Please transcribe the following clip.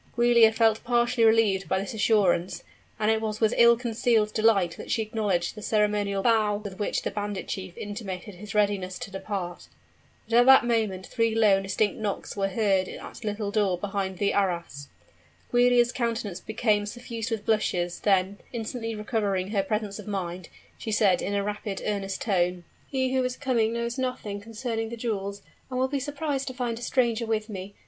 Giulia felt partially relieved by this assurance: and it was with ill concealed delight that she acknowledged the ceremonial bow with which the bandit chief intimated his readiness to depart. But at that moment three low and distinct knocks were heard at the little door behind the arras. Giulia's countenance became suffused with blushes: then, instantly recovering her presence of mind, she said in a rapid, earnest tone, "He who is coming knows nothing concerning the jewels, and will be surprised to find a stranger with me.